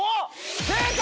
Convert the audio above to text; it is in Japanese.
正解！